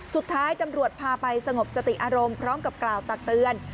สุดท้ายตำรวจพาไปสงบสติอารมณ์พร้อมกับกล่าวตักเตือน